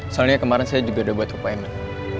soalnya kemarin saya juga udah buat supplinan